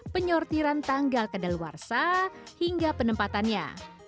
penyortiran tanggal ke dalawarsa hingga penempatannya